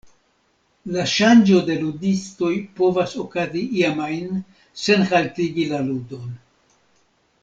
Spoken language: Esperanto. La ŝanĝo de ludistoj povas okazi iam ajn, sen haltigi la ludon.